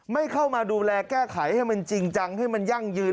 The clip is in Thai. ไม่เข้ามาดูแลแก้ไขให้มันจริงจังให้มันยั่งยืน